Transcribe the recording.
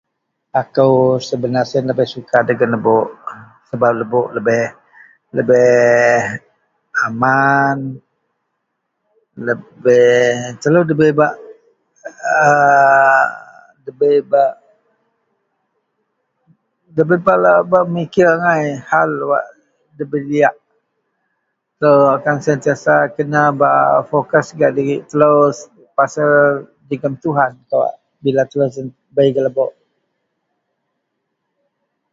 Akou sebenarnya siyen lebih suka dagen lebok, sebab lebok lebih, lebih aman, lebih, telou ndabei bak aa,, ndabei bak, ndabei bak memikir angai hal wak ndabei diyak. Telou akan sentiasa kena bak berfokus gak diri telou pasel jegem Tuhan kawak bila telou bei gak lebok.